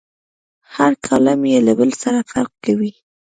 هر کالم یې له بل سره فرق کوي.